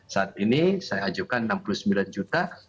saat ini saya ajukan enam puluh sembilan juta karena ingin mencari format ideal